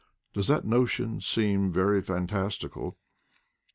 Does that notion seem very fantastical?